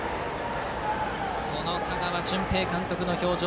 この香川純平監督の表情。